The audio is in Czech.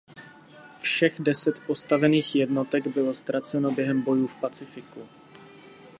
Všech deset postavených jednotek bylo ztraceno během bojů v Pacifiku.